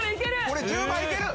これ１０万いける！